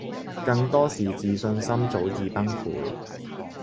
更多是自信心早已崩潰